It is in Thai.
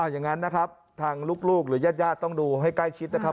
อย่างนั้นนะครับทางลูกหรือญาติญาติต้องดูให้ใกล้ชิดนะครับ